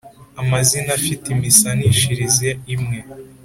amazina afite imisanishirize imwe